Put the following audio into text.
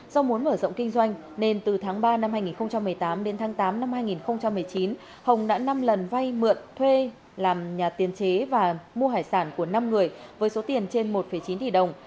do muốn mở rộng kinh doanh nên từ tháng ba năm hai nghìn một mươi tám đến tháng tám năm hai nghìn một mươi chín hồng đã năm lần vay mượn thuê làm nhà tiền chế và mua hải sản của năm người với số tiền trên một chín tỷ đồng